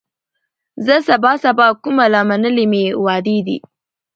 زه سبا سبا کومه لا منلي مي وعدې دي